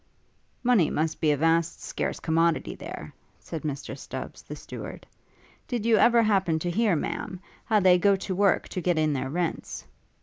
'Money must be a vast scarce commodity there,' said Mr Stubbs, the steward: 'did you ever happen to hear, Ma'am, how they go to work to get in their rents?'